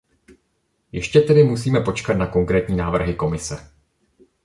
Ještě tedy musíme počkat na konkrétní návrhy Komise.